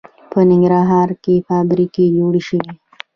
په ننګرهار کې فابریکې جوړې شوي